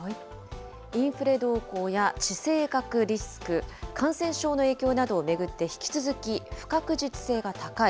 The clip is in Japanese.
インフレ動向や地政学リスク、感染症の影響などを巡って、引き続き不確実性が高い。